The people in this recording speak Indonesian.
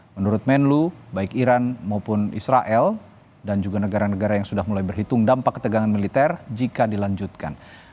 menurut menlu baik iran maupun israel dan juga negara negara yang sudah mulai berhitung dampak ketegangan militer jika dilanjutkan